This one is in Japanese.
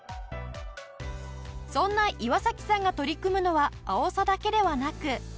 そんな岩崎さんが取り組むのはアオサだけではなく。